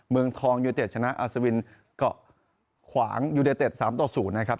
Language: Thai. เมืองทองยูเนตเต็ดชนะอาซาวินก็ขวางยูเนตเต็ด๓๐นะครับ